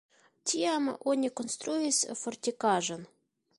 Tiam oni konstruis fortikaĵon.